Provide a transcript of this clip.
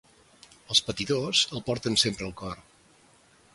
Els patidors el porten sempre al cor.